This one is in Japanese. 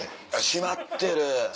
「閉まってる！」。